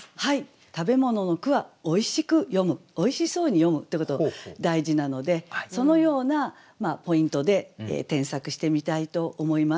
食べ物の句はおいしく詠むおいしそうに詠むということ大事なのでそのようなポイントで添削してみたいと思います。